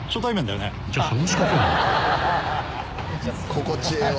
心地ええわ。